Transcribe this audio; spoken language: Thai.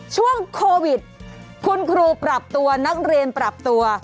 ช่วงโควิดคุณครูปรับตัวนักเรียนปรับตัว